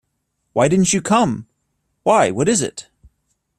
Why didn't you come? Why, what is it?